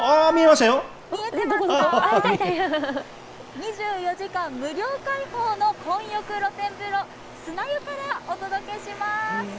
２４時間無料開放の混浴露天風呂、砂湯からお届けします。